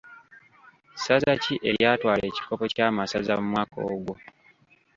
Ssaza ki eryatwala ekikopo kya masaza mu mwaka ogwo?